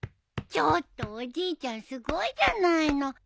ちょっとおじいちゃんすごいじゃないの。